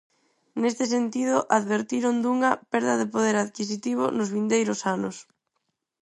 Neste sentido, advertiron dunha "perda de poder adquisitivo nos vindeiros anos".